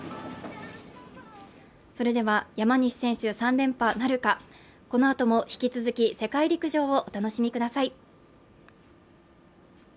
それでは山西選手３連覇なるか、このあとも引き続き世界陸上をお楽しみください。